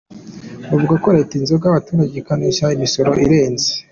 – Bavuze ko leta izonga abaturage ibaka imisoro irenze.